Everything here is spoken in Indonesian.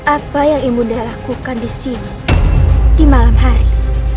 apa yang ibunda lakukan di sini di malam hari